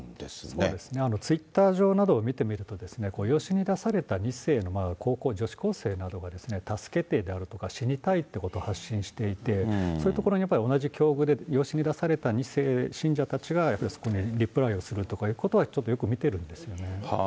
そうですね、ツイッター上などを見てみると、養子に出された２世の高校、女子高生などが助けてなどとか、死にたいってことを発信していて、そういうところに同じ境遇で養子に出された２世信者たちが、やはりそこにリプライをするということはちょっとよく見てるんですよ